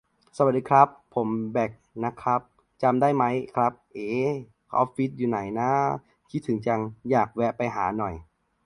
สวัสดีครับ ผมแบ่คนะครับ จำได้มั๊ยครับ เอ๊ ออฟฟิศอยู่ไหนน้า คิดถึงจัง อยากแวะไปหาหน่อย